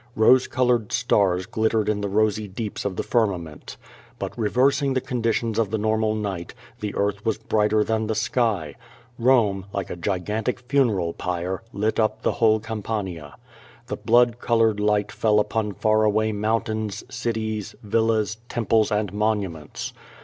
Rose colored stars glittered in the rosy deeps of the firmament. But, reversing the conditions of the normal night, the earth was brighter than the sky. Rome, like a gigantic funeral pyre, lit up the whole Campania. The blood colored light fell upon far away mountains, cities, villas, tem ples and monuments.